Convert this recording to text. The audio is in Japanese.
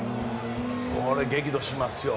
これ、激怒しますよ。